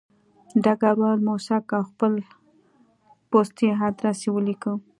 ډګروال موسک و او خپل پستي ادرس یې ولیکه